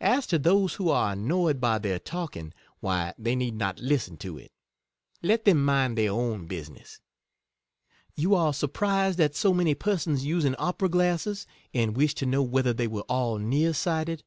As to those who are annoyed by their talking, why they need not listen to it ; let them mind their own business. You are surprised at so many persons using opera glasses, and wish to know whether they were all near sighted.